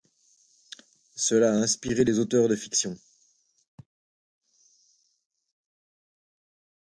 Cela a inspiré les auteurs de fiction.